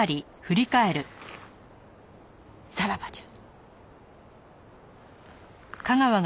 さらばじゃ。